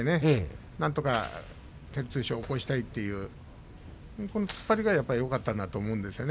なんとか照強を起こしたいこの突っ張りがよかったなと思うんですね。